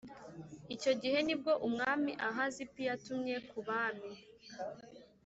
Icyo gihe ni bwo Umwami Ahazip yatumye ku bami